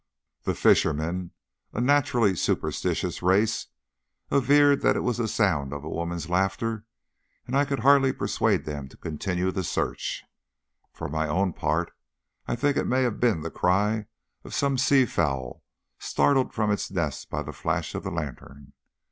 The fishermen a naturally superstitious race averred that it was the sound of a woman's laughter, and I could hardly persuade them to continue the search. For my own part I think it may have been the cry of some sea fowl startled from its nest by the flash of the lantern.